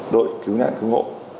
đội cứu nạn cứu ngộ